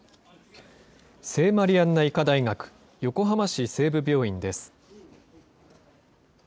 聖マリアンナ医科大学横浜市西部病院です。